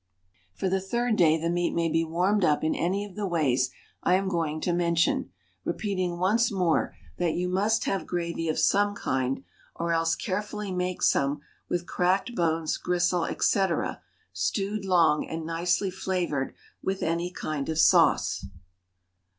For the third day the meat may be warmed up in any of the ways I am going to mention, repeating once more, that you must have gravy of some kind, or else carefully make some, with cracked bones, gristle, etc., stewed long, and nicely flavored with any kind of sauce.